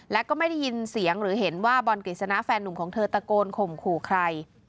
และก็ไม่ได้ยินเสียงหรือเห็นว่าบอลกฤษณะแฟนนุ่มของเธอตะโกนข่มขู่ใคร